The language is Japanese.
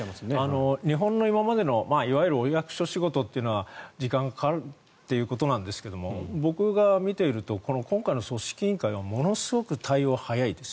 日本の今までのお役所仕事というのは時間がかかるということなんですが僕が見ていると今回の組織委員会はものすごく対応早いです。